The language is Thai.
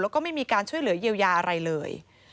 แล้วก็ไม่มีการช่วยเหลือเยียวยาอะไรเลย